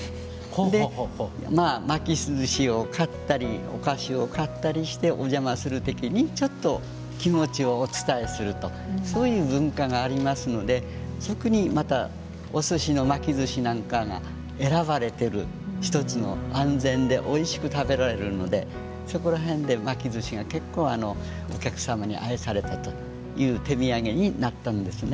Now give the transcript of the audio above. で巻きずしを買ったりお菓子を買ったりしてお邪魔する時にちょっと気持ちをお伝えするとそういう文化がありますのでそこにまたお寿司の巻きずしなんかが選ばれてる一つの安全でおいしく食べられるのでそこら辺で巻きずしが結構お客様に愛されたという手土産になったんですね。